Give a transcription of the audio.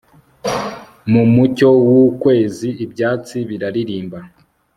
Mu mucyo wukwezi ibyatsi biraririmba